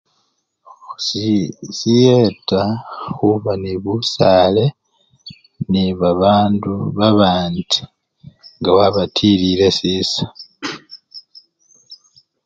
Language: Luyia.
ooba sii siyeta khuba nebusale nebabandu babandi nga wabatilile siisa